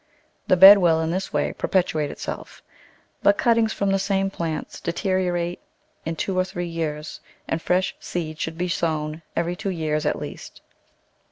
The bed will, in this way, perpetuate itself; but cuttings from the same plants deteriorate in two or three years, and fresh seed should be sown every two years at least.